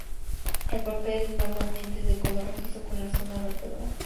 El pelaje normalmente es de color rojizo, con la zona ventral de color amarillento.